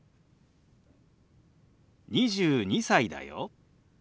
「２２歳だよ」。